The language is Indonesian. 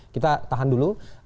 kita tahan dulu